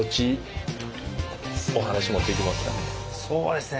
そうですね